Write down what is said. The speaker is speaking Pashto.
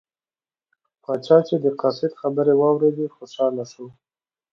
پاچا چې د قاصد خبرې واوریدې خوشحاله شو.